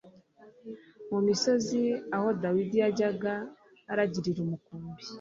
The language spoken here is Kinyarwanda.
Mu misozi aho Dawidi yajyaga aragirira umukumbi,